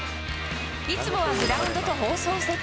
いつもはグラウンドと放送席。